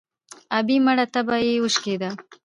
ـ ابۍ مړه تبه يې وشکېده.